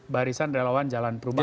barisan relawan jalan perubahan